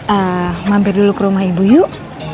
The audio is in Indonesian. ah mampir dulu ke rumah ibu yuk